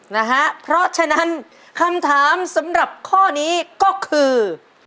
นะฮะเพราะฉะนั้นคำถามสำหรับข้อนี้ก็คือ